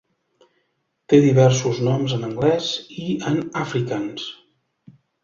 Té diversos noms en anglès i en afrikaans.